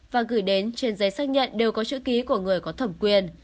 và gửi đến trên giấy xác nhận đều có chữ ký của người có thẩm quyền